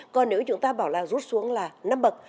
còn nếu chúng ta bảo là rút xuống là năm bậc